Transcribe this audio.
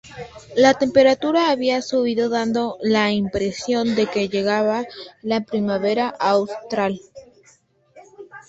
La temperatura había subido, dando la impresión de que llegaba la primavera austral.